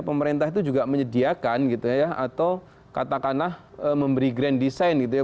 pemerintah itu juga menyediakan gitu ya atau katakanlah memberi grand design gitu ya